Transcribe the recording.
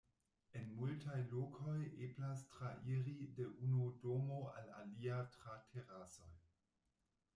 En multaj lokoj eblas trairi de unu domo al alia tra terasoj.